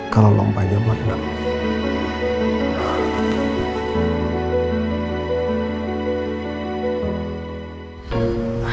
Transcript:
kalau lompatnya makna